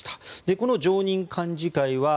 この常任幹事会は